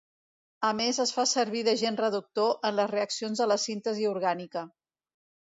A més es fa servir d'agent reductor en les reaccions de la síntesi orgànica.